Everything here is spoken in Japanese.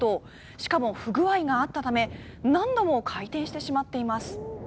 しかも、不具合があったため何度も回転してしまっています。